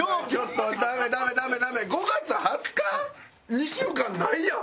２週間ないやん！